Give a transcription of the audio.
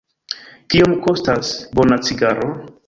Kiom kostas bona cigaro?